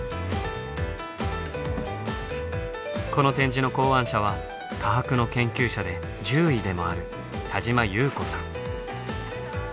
この展示の考案者は科博の研究者で獣医でもある田島木綿子さん。